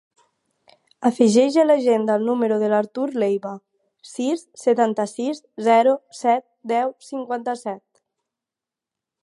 Afegeix a l'agenda el número de l'Artur Leiva: sis, setanta-sis, zero, set, deu, cinquanta-set.